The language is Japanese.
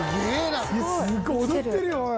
すごい踊ってるよおい。